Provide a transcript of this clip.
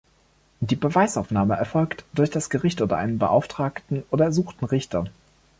Die Beweisaufnahme erfolgt durch das Gericht oder einen beauftragten oder ersuchten Richter.